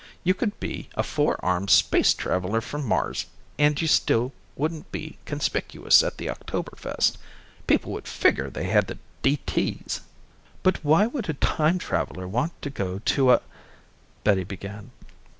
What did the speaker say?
You could be a four armed space traveler from Mars, and you still wouldn't be conspicuous at the Oktoberfest. People would figure they had D.T.'s." "But why would a time traveler want to go to a " Betty began.